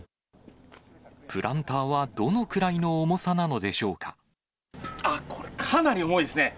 プランターはどのくらいの重あっ、これ、かなり重いですね。